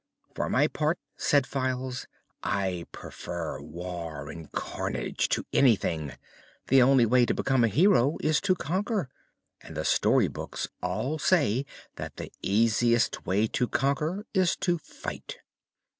"For my part," said Files, "I prefer war and carnage to anything. The only way to become a hero is to conquer, and the story books all say that the easiest way to conquer is to fight."